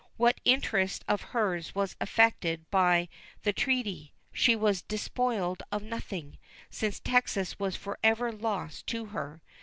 What interest of hers was affected by the treaty? She was despoiled of nothing, since Texas was forever lost to her.